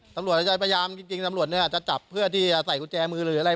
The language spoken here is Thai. เราจะพยายามจริงตำรวจเนี่ยจะจับเพื่อที่จะใส่กุญแจมือหรืออะไร